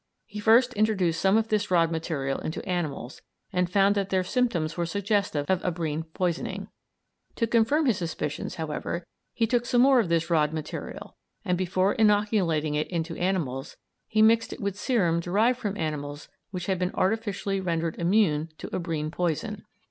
He first introduced some of this rod material into animals, and found that their symptoms were suggestive of abrine poisoning. To confirm his suspicions, however, he took some more of this rod material, and, before inoculating it into animals, he mixed it with serum derived from animals which had been artificially rendered immune to abrine poison.